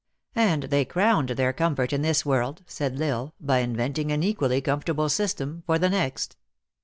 "And they crowned their comfort in this world," said L Isle, " by inventing an equally comfortable system for the next."